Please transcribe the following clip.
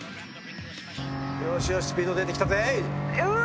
よしよしスピード出てきたぜい！